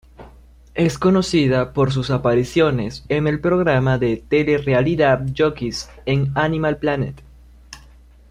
Es conocida por sus apariciones en el programa de telerrealidad Jockeys en Animal Planet.